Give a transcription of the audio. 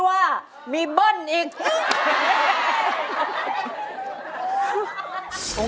สวัสดีครับ